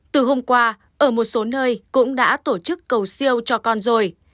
từ hôm qua ở một số nơi cũng đã tổ chức cầu siêu cho con rồi